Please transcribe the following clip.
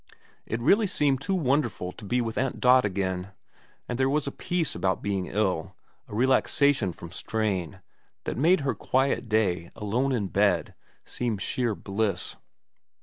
It really seemed too wonderful to be with Aunt Dot again ; and there was a peace about being ill, a relaxation from strain, that had made her quiet day, alone in bed, seem sheer bliss.